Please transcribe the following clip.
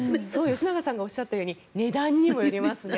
吉永さんがおっしゃったように値段にもよりますよね。